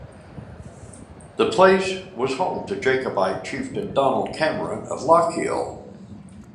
The place was home to Jacobite chieftain Donald Cameron, of Lochiel.